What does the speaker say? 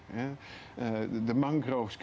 dan pengembangan alam baru